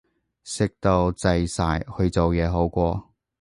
食到滯晒，去做嘢好過